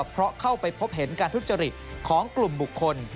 เพราะเข้าไปพบเห็นการทุจริตของกลุ่มบุคคล